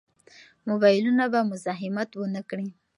موبایلونه به مزاحمت ونه کړي.